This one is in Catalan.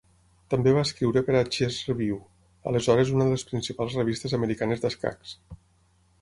També va escriure per a "Chess Review", aleshores una de les principals revistes americanes d'escacs.